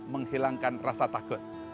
menghilangkan rasa takut